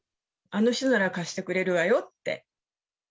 あの人なら貸してくれるわよって。